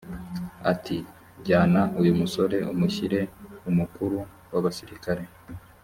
ati jyana uyu musore umushyire umukuru w abasirikare